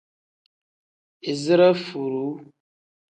Izire furuu.